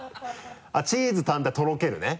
チーズ単体とろけるね。